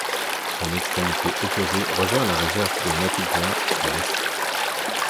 Son extrémité opposée rejoint la réserve de Matikwa, à l'est.